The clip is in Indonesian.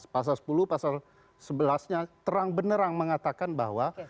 pasal sepuluh pasal sebelas nya terang benerang mengatakan bahwa